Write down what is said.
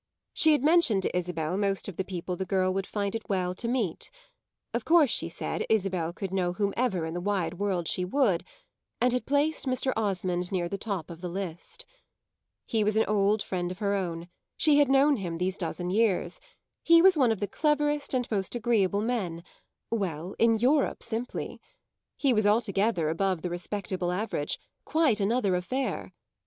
She had mentioned to Isabel most of the people the girl would find it well to "meet" of course, she said, Isabel could know whomever in the wide world she would and had placed Mr. Osmond near the top of the list. He was an old friend of her own; she had known him these dozen years; he was one of the cleverest and most agreeable men well, in Europe simply. He was altogether above the respectable average; quite another affair.